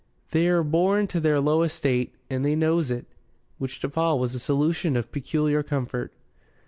They're born to their low estate, and they knows it." Which to Paul was a solution of peculiar comfort.